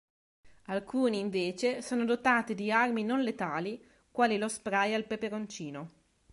Alcuni, invece, sono dotati di armi non letali quali lo spray al peperoncino.